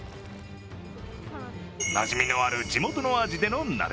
なじみのある地元の味での鍋。